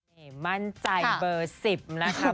นี่มั่นใจเบอร์๑๐นะครับ